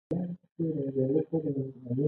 دښمن د ځان د بربادۍ لاره هواروي